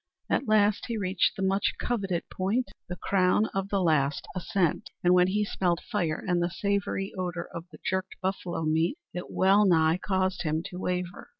At last he reached the much coveted point the crown of the last ascent; and when he smelled fire and the savory odor of the jerked buffalo meat, it well nigh caused him to waver!